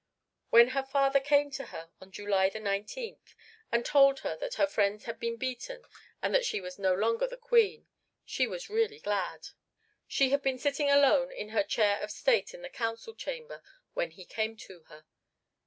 When her father came to her on July nineteenth and told her that her friends had been beaten and that she was no longer the Queen she was really glad. She had been sitting alone in her chair of state in the council chamber when he came to her.